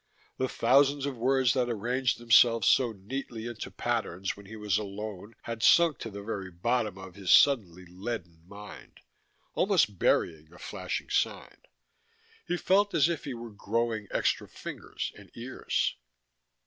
The thousands of words that arranged themselves so neatly into patterns when he was alone had sunk to the very bottom of his suddenly leaden mind, almost burying the flashing sign. He felt as if he were growing extra fingers and ears.